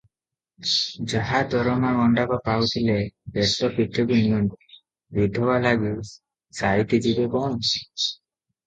ଯାହା ଦରମା ଗଣ୍ଡାକ ପାଉଥିଲେ, ପେଟ ପିଠିକୁ ନିଅଣ୍ଟ, ବିଧବା ଲାଗି ସାଇତି ଯିବେ କଣ?